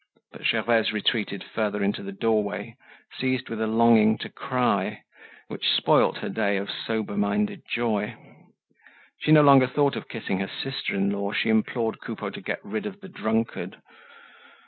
But Gervaise retreated further into the doorway, seized with a longing to cry, which spoilt her day of sober minded joy. She no longer thought of kissing her sister in law, she implored Coupeau to get rid of the drunkard.